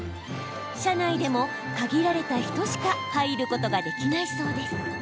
社内でも限られた人しか入ることができないそうです。